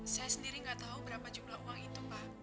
saya sendiri nggak tahu berapa jumlah uang itu pak